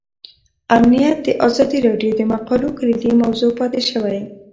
امنیت د ازادي راډیو د مقالو کلیدي موضوع پاتې شوی.